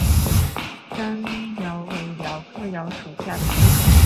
粘蓼为蓼科蓼属下的一个种。